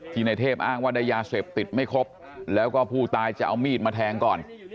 ในเทพอ้างว่าได้ยาเสพติดไม่ครบแล้วก็ผู้ตายจะเอามีดมาแทงก่อน